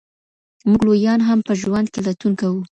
موږ لویان هم په ژوند کې لټون کوو.